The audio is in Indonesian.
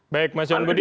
baik mas yon budi